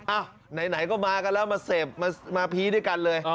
ไหนก็มากันแล้วมาเสพมาพีชด้วยกันเลย